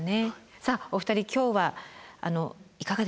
さあお二人今日はいかがでしたか？